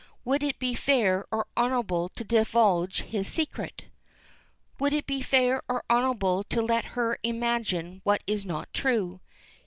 Would it be fair or honorable to divulge his secret? Would it be fair or honorable to let her imagine what is not true?